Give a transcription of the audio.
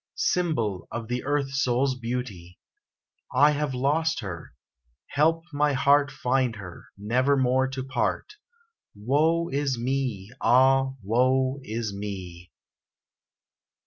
Symbol of the Earth soul's beauty. I have lost her. Help my heart Find her, nevermore to part. Woe is me! ah, woe is me!